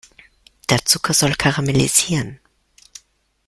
Der Zucker soll karamellisieren.